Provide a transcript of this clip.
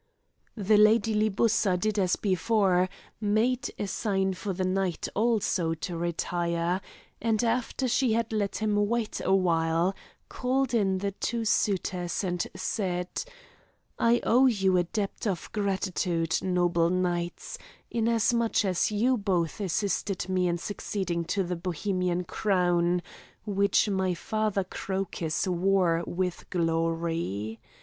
The Lady Libussa did as before, made a sign for the knight also to retire, and after she had let him wait awhile called in the two suitors and said, "I owe you a debt of gratitude, noble knights, inasmuch as you both assisted me in succeeding to the Bohemian crown, which my father Crocus wore with glory.